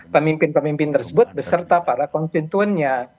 pemimpin pemimpin tersebut beserta para konstituennya